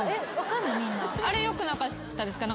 あれよくなかったですか？